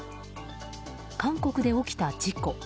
韓国で起きた事故。